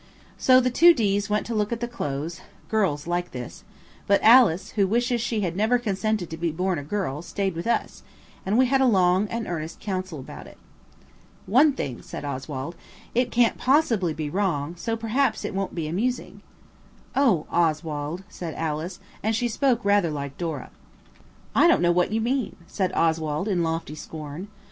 So the two D.'s went to look at the clothes–girls like this–but Alice, who wishes she had never consented to be born a girl, stayed with us, and we had a long and earnest council about it. "One thing," said Oswald, "it can't possibly be wrong–so perhaps it won't be amusing." "Oh, Oswald!" said Alice, and she spoke rather like Dora. "I don't mean what you mean," said Oswald in lofty scorn.